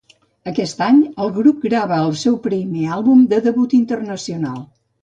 Aquest any, el grup grava el seu primer àlbum de debut internacional.